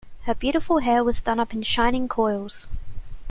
Her beautiful hair was done up in shining coils.